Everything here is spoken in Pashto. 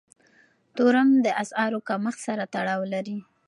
تورم د اسعارو کمښت سره تړاو لري.